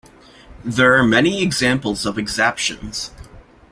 There are many examples of exaptations.